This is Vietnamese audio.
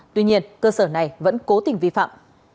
tuy nhiên cơ sở này vẫn cố tình vi phạm